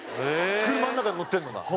車の中に乗ってるのが。